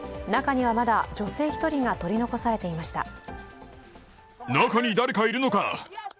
中にはまだ女性１人が取り残されていました。